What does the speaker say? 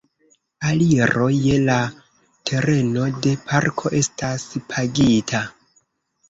Aliro je la tereno de parko estas pagita.